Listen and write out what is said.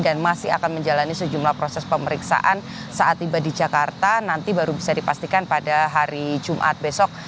dan masih akan menjalani sejumlah proses pemeriksaan saat tiba di jakarta nanti baru bisa dipastikan pada hari jumat besok